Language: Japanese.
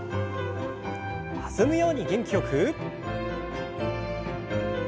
弾むように元気よく。